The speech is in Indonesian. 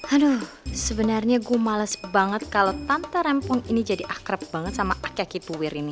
aduh sebenarnya gue males banget kalau tante rempong ini jadi akrab banget sama kayak ki puwir ini